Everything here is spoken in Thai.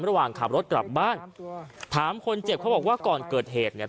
ระหว่างขับรถกลับบ้านถามคนเจ็บเขาบอกว่าก่อนเกิดเหตุเนี่ย